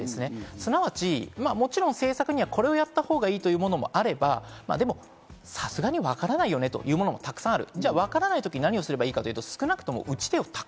すなわち政策にはこれをやったほうがいいというものもあれば、さすがにわからないよねというものもたくさんある。